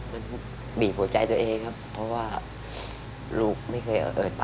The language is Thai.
มันบีบหัวใจตัวเองครับเพราะว่าลูกไม่เคยเอ่ยปาก